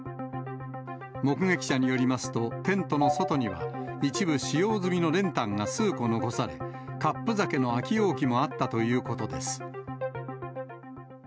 目撃者によりますと、テントの外には、一部使用済みの練炭が数個残され、カップ酒の空き容器もあったということです。